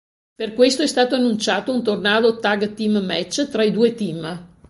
Per questo è stato annunciato un Tornado Tag Team match tra i due team.